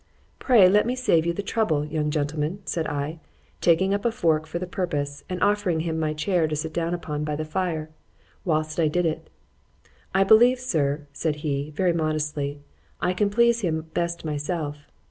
——Pray let my save you the trouble, young gentleman, said I, taking up a fork for the purpose, and offering him my chair to sit down upon by the fire, whilst I did it.——I believe, Sir, said he, very modestly, I can please him best myself.